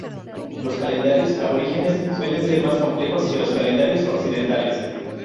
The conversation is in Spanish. Los calendarios aborígenes suelen ser más complejos que los calendarios occidentales.